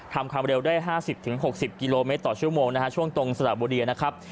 ทำความเร็วได้ห้าสิบถึงหกสิบกิโลเมตรต่อชั่วโมงนะฮะช่วงตรงสถาบุรีนะครับ